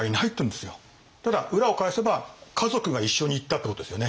ただ裏を返せば家族が一緒に行ったってことですよね。